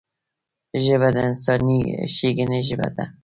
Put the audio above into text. ژبه د انساني ښیګڼې ژبه ده